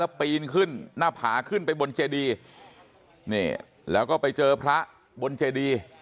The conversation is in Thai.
ปีนขึ้นหน้าผาขึ้นไปบนเจดีนี่แล้วก็ไปเจอพระบนเจดี